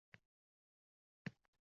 O‘sha tuzumning tarkibiy qismi edi.